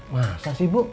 masa sih bu